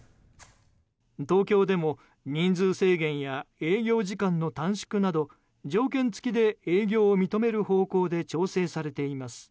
東京でも人数制限や営業時間の短縮など条件付きで営業を認める方向で調整されています。